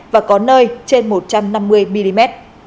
và có nơi trên một trăm năm mươi mm